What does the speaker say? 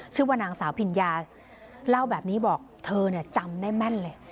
ชื่อว่านางสาวพิญญาเล่าแบบนี้บอกเธอจำได้แม่นเลย